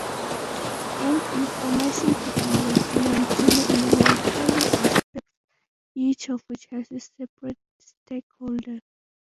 An information-technology invention may involve several aspects each of which has a separate stakeholder.